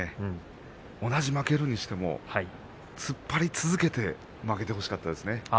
同じ負けるにしても突っ張り続けて負けてほしかったですね。